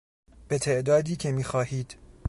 به تعدادی که می خواهید